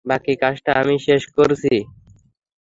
বাকি কাজটা আমি শেষ করছি।